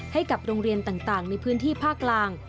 ให้กับโรงเรียนต่างในพื้นที่ภาคกลาง